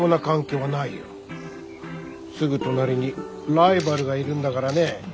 すぐ隣にライバルがいるんだからね。